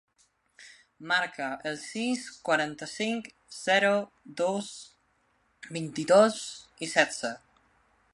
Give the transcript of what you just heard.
Marca el sis, quaranta-cinc, zero, dos, vint-i-dos, setze.